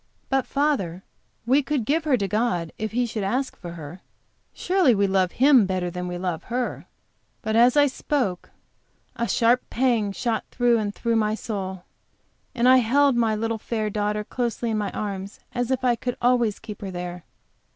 "But, father, we could give her to God if He should ask for her Surely, we love Him better than we love her." But as I spoke a sharp pang shot through and through my soul, and I held my little fair daughter closely in my arms, as if I could always keep her there.